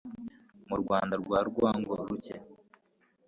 u rwanda rwa rwango-ruke